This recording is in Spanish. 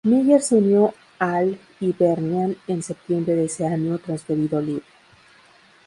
Miller se unió al Hibernian en septiembre de ese año transferido libre.